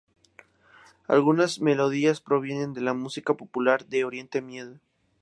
Algunas melodías provienen de la música popular de Oriente Medio.